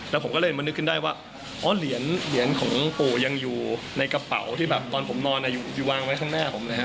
แล้วผมก็เลยมานึกขึ้นได้ว่าอ๋อเหรียญของปู่ยังอยู่ในกระเป๋าที่แบบตอนผมนอนอยู่วางไว้ข้างหน้าผมนะฮะ